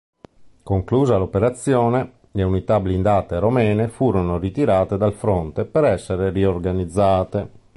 Conclusa l'operazione, le unità blindate romene furono ritirate dal fronte per essere riorganizzate.